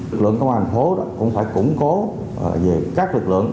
lực lượng công an thành phố cũng phải củng cố về các lực lượng